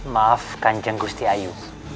maaf kanjeng gusti ayu